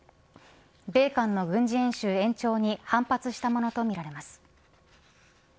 米韓の軍事演習延長に反発したものとみられます。